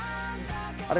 あれ？